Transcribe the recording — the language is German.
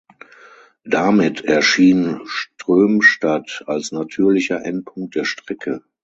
Damit erschien Strömstad als natürlicher Endpunkt der Strecke.